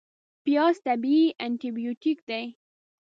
پیاز طبیعي انتي بیوټیک دی